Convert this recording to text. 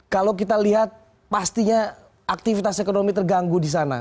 kalau kita lihat pastinya aktivitas ekonomi terganggu di sana